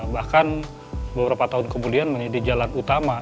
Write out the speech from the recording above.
bahkan beberapa tahun kemudian menjadi jalan utama